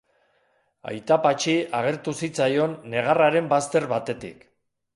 Aita Patxi agertu zitzaion negarraren bazter batetik.